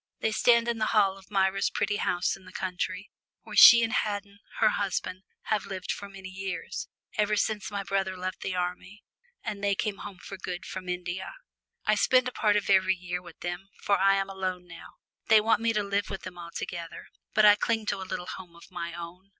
They stand in the hall of Myra's pretty house in the country, where she and Haddon, her husband, have lived for many years, ever since my brother left the army and they came home for good from India. I spend a part of every year with them, for I am alone now. They want me to live with them altogether, but I cling to a little home of my own.